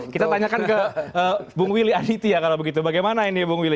kita tanyakan ke bung willy aditya kalau begitu bagaimana ini bung will